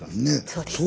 そうです。